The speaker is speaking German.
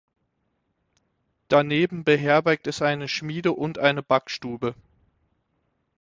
Daneben beherbergt es eine Schmiede und eine Backstube.